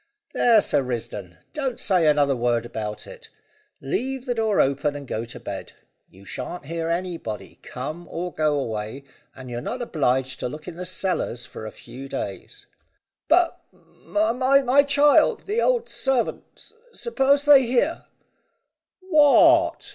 There, Sir Risdon; don't say another word about it. Leave the door open, and go to bed. You shan't hear anybody come or go away, and you're not obliged to look in the cellars for a few days." "But, my child the old servant suppose they hear?" "What?